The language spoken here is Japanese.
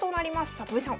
里見さん